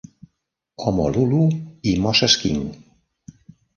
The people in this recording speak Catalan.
Omololu i Moses King.